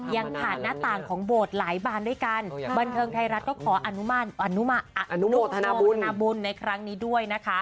ยังผ่านหน้าต่างของโบสถ์หลายบานด้วยกันบันเทิงไทยรัฐก็ขออนุโมทนาบูรณบุญในครั้งนี้ด้วยนะคะ